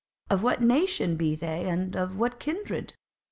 of what nation be they, and of what kindred?"